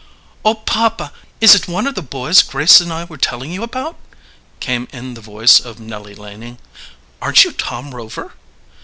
"Oh, papa, is it one of the boys Grace and I were telling you about?" came in the voice of Nellie Laning. "Aren't you Tom Rover?"